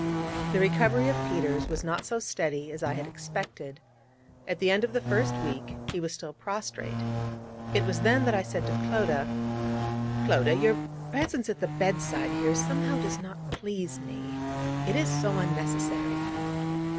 The recovery of Peters was not so steady as I had expected. At the end of the first week he was still prostrate. It was then that I said to Clodagh: 'Clodagh, your presence at the bed side here somehow does not please me. It is so unnecessary.'